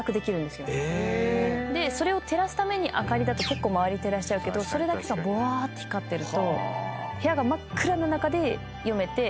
それを照らすための灯りだと結構周り照らしちゃうけどそれだけがぼわーって光ってると部屋が真っ暗な中で読めて。